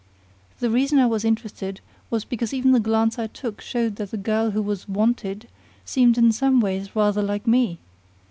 The reason I was interested was because even the glance I took showed that the girl who was 'wanted' seemed in some ways rather like me.